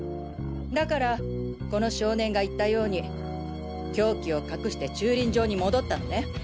だからこの少年が言ったように凶器を隠して駐輪場に戻ったのね。